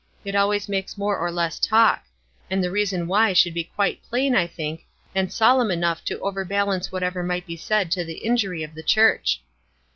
It always makes more or less talk ; and the reason why should be quite plain, I think, and solemn enough to overbalance whatever might be said to the injury of the church."